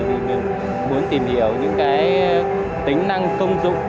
thì mình muốn tìm hiểu những cái tính năng công dụng